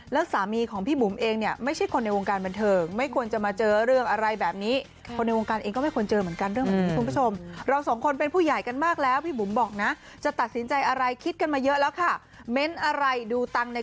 แล้วสามีของพี่บุ๋มเองเนี่ยไม่ใช่คนในวงการบันเทิง